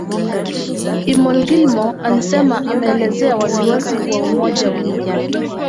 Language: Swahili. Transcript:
Eamon Gilmore alisema ameelezea wasiwasi wa umoja huo